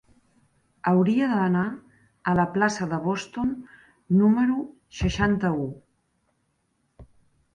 Hauria d'anar a la plaça de Boston número seixanta-u.